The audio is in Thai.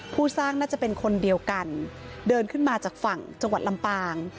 ผู้สร้างน่าจะเป็นคนเดียวกันเดินขึ้นมาจากฝั่งจังหวัดลำปาง